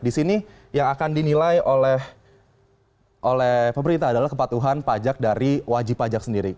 di sini yang akan dinilai oleh pemerintah adalah kepatuhan pajak dari wajib pajak sendiri